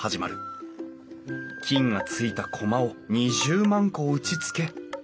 菌がついたコマを２０万個打ちつけ